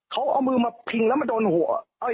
เขาเอามือมาพิงแล้วมาโดนหัว